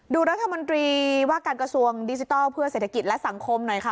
ดูรัฐมนตรีว่าการกระทรวงดิจิทัลเพื่อเศรษฐกิจและสังคมหน่อยค่ะ